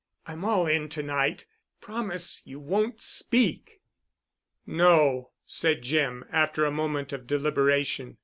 I'm all in to night. Promise you won't speak." "No," said Jim, after a moment of deliberation.